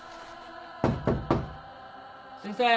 先生